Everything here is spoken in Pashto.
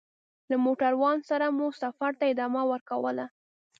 له موټروان سره مو سفر ته ادامه ورکوله.